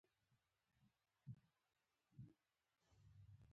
همدارنګه روغتیایي او ساتندوي ټکي هم باید په پام کې ونیول شي.